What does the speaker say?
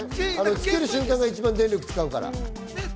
つける瞬間が電力使うから。